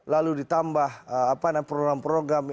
lalu ditambah program program